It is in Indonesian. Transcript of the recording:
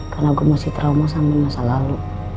karena gue masih trauma sama masa lalu